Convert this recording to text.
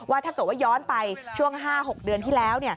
ถ้าเกิดว่าย้อนไปช่วง๕๖เดือนที่แล้ว